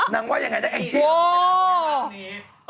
นางว่ายังไงนะแอ๊กเจี๊ยม